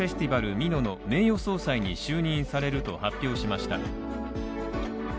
美濃の名誉総裁に就任されると発表しました。